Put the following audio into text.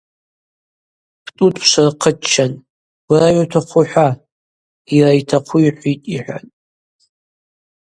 Птӏу дпшвырхъыччан: – Уара йутахъу хӏва, йара йтахъу йхӏвитӏ, – йхӏватӏ.